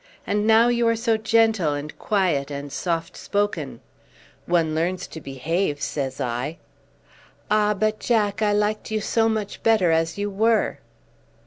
And now you are so gentle and quiet and soft spoken." "One learns to behave," says I. "Ah, but, Jack, I liked you so much better as you were!"